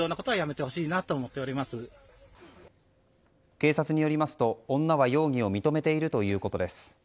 警察によりますと、女は容疑を認めているということです。